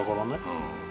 うん。